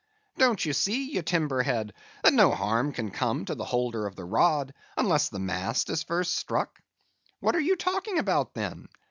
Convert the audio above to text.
Don't you see, you timber head, that no harm can come to the holder of the rod, unless the mast is first struck? What are you talking about, then?